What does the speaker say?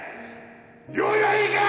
用意はいいか！